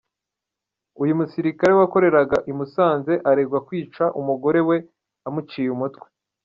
Uyu musirikare wakoreraga i Musanze aregwa kwica umugore we amuciye umutwe .